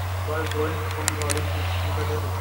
Burke went from the Olympics to the Devils.